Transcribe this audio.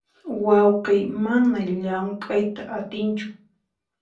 Wayqiy mana llamk'ayta atinchu.